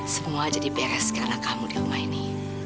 semua jadi beres karena kamu di rumah ini